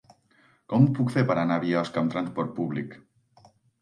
Com ho puc fer per anar a Biosca amb trasport públic?